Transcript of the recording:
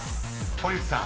［堀内さん］